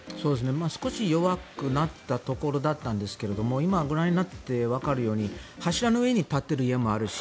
少し弱くなったところだったんですが今、ご覧になってわかるように柱の上に立っている家もあるし